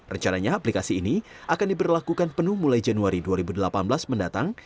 rencananya aplikasi ini akan diberlakukan penuh mulai januari dua ribu delapan belas mendatang